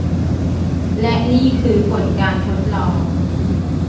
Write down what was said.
และนี่คือผลการทดลอง